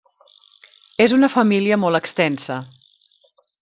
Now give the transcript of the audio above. És una família molt extensa.